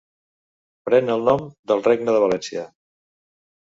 Pren el nom del Regne de València.